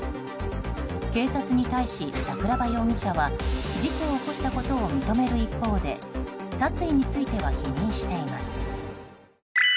警察に対し、桜庭豊容疑者は事故を起こしたことを認める一方で殺意については否認しています。